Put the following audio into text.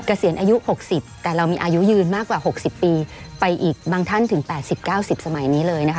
เกษียณอายุ๖๐แต่เรามีอายุยืนมากกว่า๖๐ปีไปอีกบางท่านถึง๘๐๙๐สมัยนี้เลยนะคะ